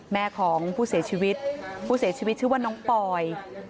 แม่ของผู้เสียชีวิตผู้เสียชีวิตชื่อว่าน้องปอย